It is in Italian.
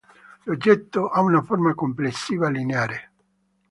L'oggetto ha una forma complessiva lineare.